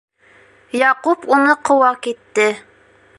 Яҡуп уны ҡыуа китте.